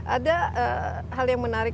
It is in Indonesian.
ada hal yang menarik